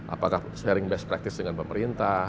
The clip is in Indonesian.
apakah sharing best practice dengan pemerintah